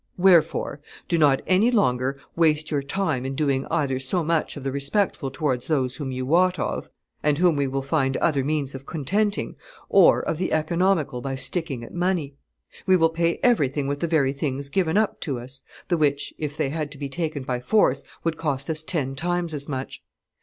Wherefore, do not any longer waste your time in doing either so much of the respectful towards those whom you wot of, and whom we will find other means of contenting, or of the economical by sticking at money. We will pay everything with the very things given up to us, the which, if they had to be taken by force, would cost us ten times as much.